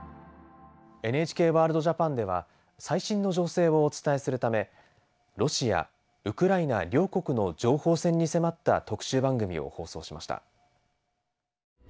「ＮＨＫＷＯＲＬＤＪＡＰＡＮ」では最新の情勢をお伝えするためロシアウクライナ両国の情報戦に迫った特集番組を放送しました。